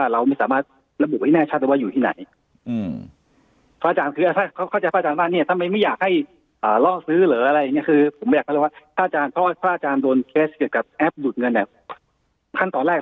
เราก็อาจจะเสริมปิดกฎนี้อีกครับเพิ่งอันตราย